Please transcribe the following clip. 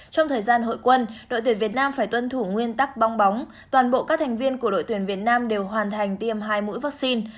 trong thời gian hội quân đội tuyển việt nam phải tuân thủ nguyên tắc bong bóng toàn bộ các thành viên của đội tuyển việt nam đều hoàn thành tiêm hai mũi vaccine